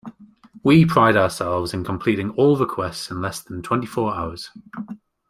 We pride ourselves in completing all requests in less than twenty four hours.